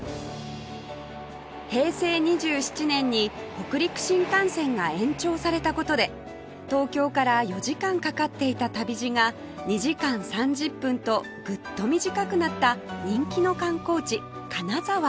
平成２７年に北陸新幹線が延長された事で東京から４時間かかっていた旅路が２時間３０分とグッと短くなった人気の観光地金沢